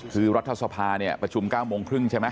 คือรัฐสภาเนี่ยประชุม๙โมงครึ่งใช่ไหม